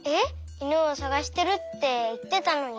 いぬをさがしてるっていってたのに。